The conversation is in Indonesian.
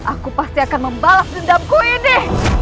aku pasti akan membalas dendamku ini